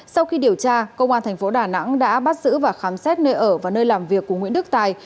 sau khi điều tra công an thành phố đà nẵng đã bắt giữ và khám xét nơi ở và nơi làm việc của nguyễn đức tài